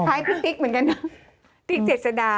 ท้ายคุณติ๊กเหมือนกันน่ะติ๊กเจ็ดสดา